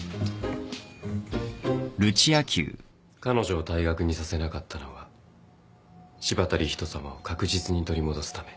彼女を退学にさせなかったのは柴田理人さまを確実に取り戻すため。